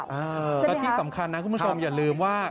แล้วที่สำคัญนะคุณผู้ชมอย่าลืมว่า